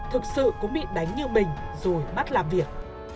thực sự cũng bị đánh như mình rồi bắt làm việc